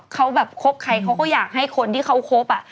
เขาแบบคบใครเขาก็อยากให้คนที่เขาคบอ่ะ